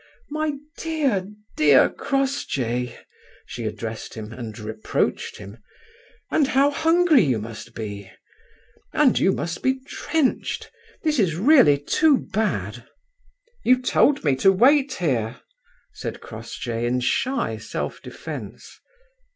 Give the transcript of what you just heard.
"My dear, dear Crossjay!" she addressed him and reproached him. "And how hungry you must be! And you must be drenched! This is really too had." "You told me to wait here," said Crossjay, in shy self defence.